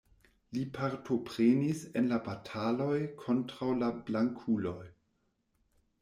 Li partoprenis en la bataloj kontraŭ la blankuloj.